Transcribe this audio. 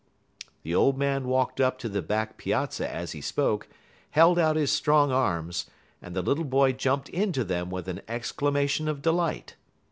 The old man walked up to the back piazza as he spoke, held out his strong arms, and the little boy jumped into them with an exclamation of delight.